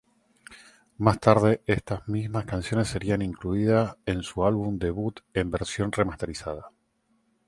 Más tarde estas mismas canciones serían incluidas en su álbum debut en versión remasterizada.